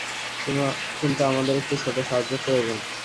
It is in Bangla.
কিন্তু আমাদের একটি ছোট সাহায্য প্রয়োজন।